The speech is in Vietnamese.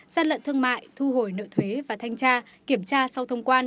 gian lận thương mại thu hồi nợ thuế và thanh tra kiểm tra sau thông quan